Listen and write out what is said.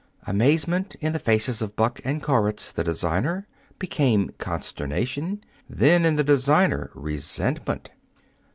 Amazement in the faces of Buck and Koritz, the designer, became consternation, then, in the designer, resentment.